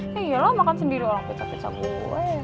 ya iyalah makan sendiri orang pizza pizza gue